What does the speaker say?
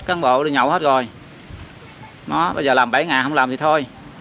cán bộ đi nhậu hết rồi bây giờ làm bảy ngàn không làm thì thôi